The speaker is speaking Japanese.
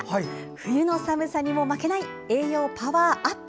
冬の寒さにも負けない栄養パワーアップ！